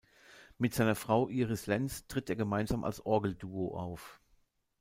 Mit seiner Frau Iris Lenz tritt er gemeinsam als Orgel-Duo auf.